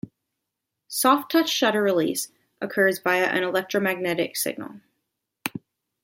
Soft-touch shutter release occurs via an electromagnetic signal.